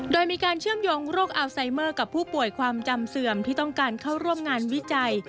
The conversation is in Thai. โดยมีการเชื่อมโยงโรคอัลไซเมอร์กับผู้ป่วยความจำเสื่อมที่ต้องการเข้าร่วมงานวิจัย